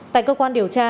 tại cơ quan điều tra